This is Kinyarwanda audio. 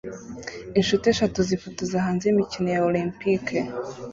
Inshuti eshatu zifotoza hanze yimikino Olempike